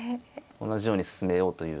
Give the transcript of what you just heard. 同じように進めようという。